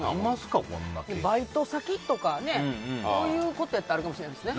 バイト先とかねそういうことやったらあるかもしれないですね。